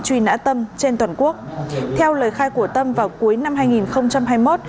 truy nã tâm trên toàn quốc theo lời khai của tâm vào cuối năm hai nghìn hai mươi một